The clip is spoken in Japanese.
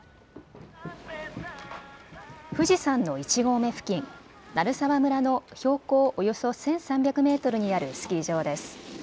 富士山の１合目付近、鳴沢村の標高およそ１３００メートルにあるスキー場です。